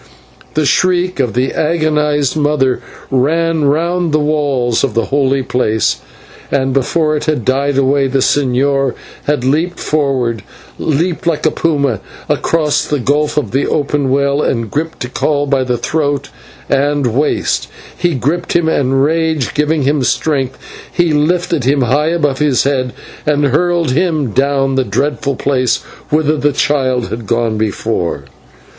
The shriek of the agonized mother ran round the walls of the holy place, and before it had died away the señor had leaped forward leaped like a puma across the gulf of the open well and gripped Tikal by the throat and waist. He gripped him, and, rage giving him strength, he lifted him high above his head and hurled him down the dreadful place whither the child had gone before.